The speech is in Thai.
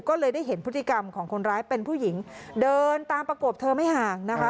ก็เลยได้เห็นพฤติกรรมของคนร้ายเป็นผู้หญิงเดินตามประกบเธอไม่ห่างนะคะ